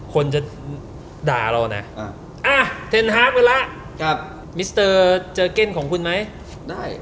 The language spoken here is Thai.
คนจะด่าเรานะเทนฮาร์กไว้แล้วกับมิสเตอร์เจอร์เก็นของคุณไหมได้